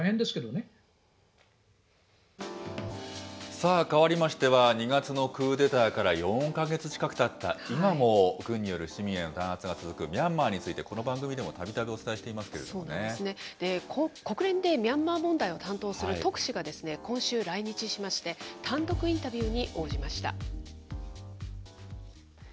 さあ、変わりましては、２月のクーデターから４か月近くたった今も軍による市民への弾圧が続くミャンマーについて、この番組でもたびたびお伝えしていま国連でミャンマー問題を担当する特使が今週、来日しまして、単独インタビューに応じました。